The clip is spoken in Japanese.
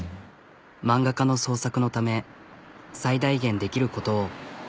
漫画家の創作のため最大限できることを。